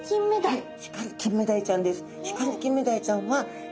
はい。